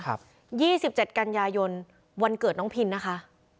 ๒๗กันยายนวันเกิดน้องพินนะคะ